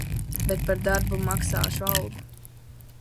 Bet par darbu maksāšu algu.